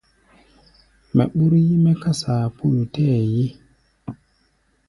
Mɛ ɓúr yí-mɛ́ ká saapúlu tɛɛ́ ye.